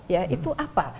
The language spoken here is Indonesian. ya itu apa